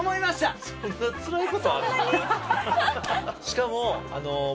しかも。